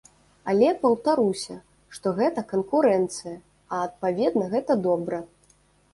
Але паўтаруся, што гэта канкурэнцыя, а адпаведна, гэта добра.